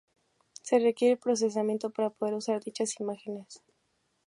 Se requiere procesamiento para poder usar dichas imágenes.